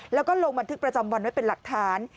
แล้วก็ลงบันทึกประจำวันไว้เป็นหลักฐาน